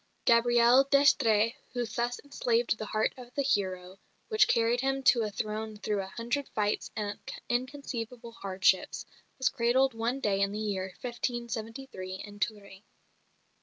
Gabrielle d'Estrées who thus enslaved the heart of the hero, which carried him to a throne through a hundred fights and inconceivable hardships, was cradled one day in the year 1573 in Touraine.